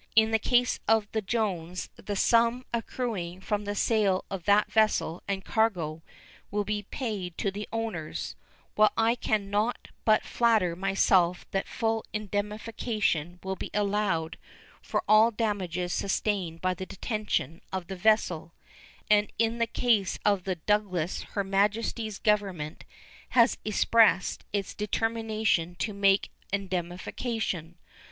In the case of the Jones the sum accruing from the sale of that vessel and cargo will be paid to the owners, while I can not but flatter myself that full indemnification will be allowed for all damages sustained by the detention of the vessel; and in the case of the Douglas Her Majesty's Government has expressed its determination to make indemnification.